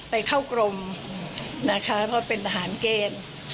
ไปเข้ากรมนะคะเพราะเป็นทหารเกณฑ์